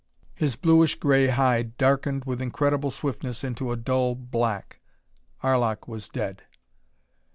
His bluish gray hide darkened with incredible swiftness into a dull black. Arlok was dead.